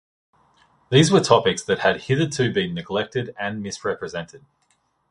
These were topics that had hitherto been neglected and misrepresented.